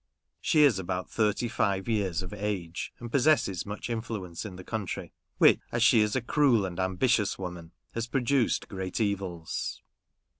She is about ihirty five years of age, and possesses much influence in the country ; which, as she is a cruel and ambitious woman, has produced great evils.